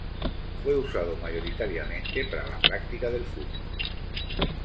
Fue usado mayoritariamente para la práctica del fútbol.